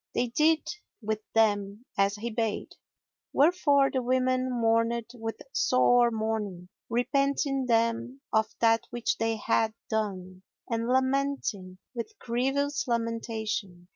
They did with them as he bade; wherefore the women mourned with sore mourning, repenting them of that which they had done and lamenting with grievous lamentation.